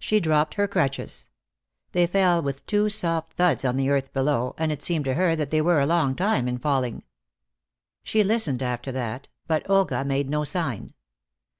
She dropped her crutches. They fell with two soft thuds on the earth below and it seemed to her that they were a long time in falling. She listened after that, but Olga made no sign.